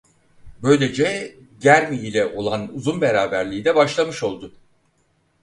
Böylece Germi ile olan uzun beraberliği de başlamış oldu.